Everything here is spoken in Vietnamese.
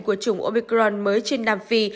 của chủng omicron mới trên nam phi